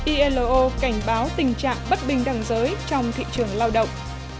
ilo cảnh báo tình trạng bất bình đẳng giới trong thị trường lao động